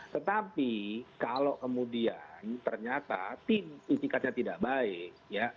tetapi kalau kemudian ternyata itikatnya tidak baik ya